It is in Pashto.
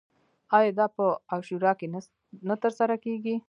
آیا دا په عاشورا کې نه ترسره کیږي؟